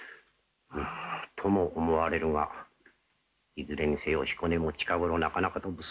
うむとも思われるがいずれにせよ彦根も近頃なかなかと物騒でな。